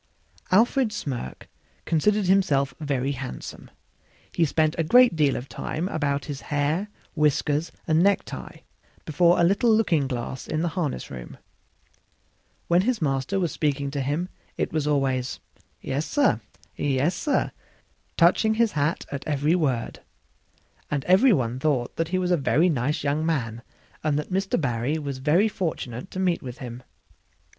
Alfred Smirk considered himself very handsome; he spent a great deal of time about his hair, whiskers and necktie, before a little looking glass in the harness room. When his master was speaking to him it was always, "Yes, sir; yes, sir" touching his hat at every word; and every one thought he was a very nice young man and that Mr. Barry was very fortunate to meet with him.